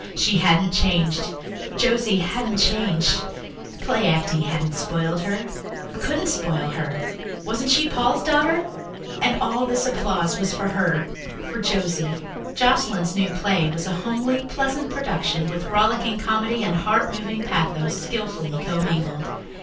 She hadn't changed Josie hadn't changed. Play acting hadn't spoiled her couldn't spoil her. Wasn't she Paul's daughter! And all this applause was for her for Josie. Joscelyn's new play was a homely, pleasant production with rollicking comedy and heart moving pathos skilfully commingled.